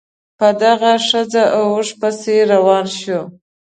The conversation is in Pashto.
په دغه ښځه او اوښ پسې روان شو.